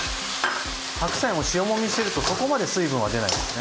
白菜も塩もみしてるとそこまで水分は出ないんですね。